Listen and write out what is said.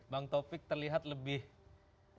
bang topik terlihat lebih sial